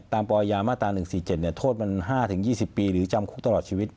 ปอยามาตรา๑๔๗โทษมัน๕๒๐ปีหรือจำคุกตลอดชีวิต